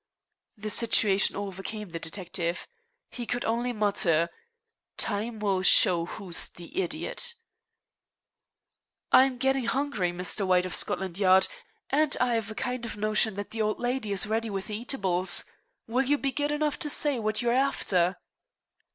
The situation overcame the detective. He could only mutter: "Time will show who's the idiot." "I'm getting hungry, Mr. White of Scotland Yard, and I've a kind of notion that the old lady is ready with the eatables. Will you be good enough to say what you're after?"